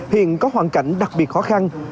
hiện có hoàn cảnh đặc biệt khó khăn